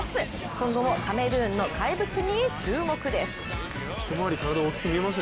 今後もカメルーンの怪物に注目です。